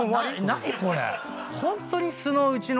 何これ⁉ホントに。